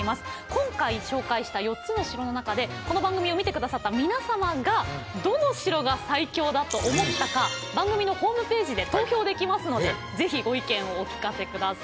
今回紹介した４つの城の中でこの番組を見て下さった皆様がどの城が最強だと思ったか番組のホームページで投票できますので是非ご意見をお聞かせ下さい。